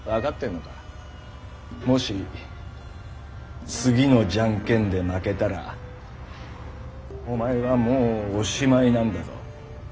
もし次の「ジャンケン」で負けたらおまえはもうおしまいなんだぞッ！